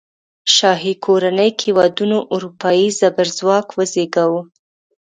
شاهي کورنۍ کې ودونو اروپايي زبرځواک وزېږاوه.